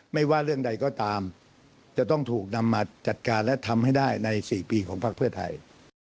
ไม่ว่าเรื่องใดก็ตามจะต้องถูกนำมาจัดการและทำให้ได้ใน๔ปีของพักเพื่อไทย